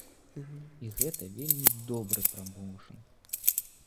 І гэта вельмі добры прамоўшн.